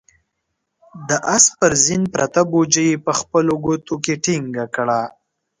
د آس پر زين پرته بوجۍ يې په خپلو ګوتو کې ټينګه کړه.